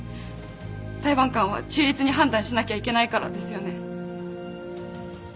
裁判官は中立に判断しなきゃいけないからですよね。